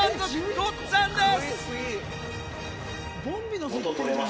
ごっつぁんです！